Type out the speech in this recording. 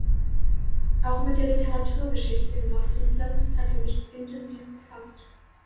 Auch mit der Literaturgeschichte Nordfrieslands hat er sich intensiv befasst.